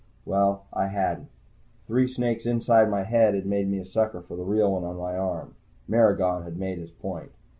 Well, I hadn't. Three snakes inside my head had made me a sucker for the real one on my arm. Maragon had made his point.